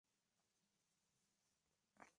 Actualmente Se Integró a Mineros de Zacatecas.